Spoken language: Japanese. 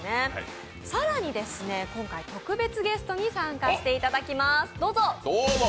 更に今回特別ゲストに参加していただきます。